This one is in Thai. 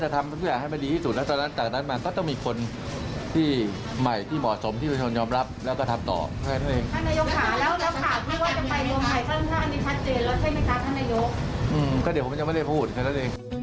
ถือเป็นคำตอบที่ชัดเจนที่สุด